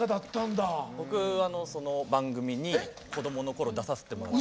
僕その番組に子どものころ出させてもらって。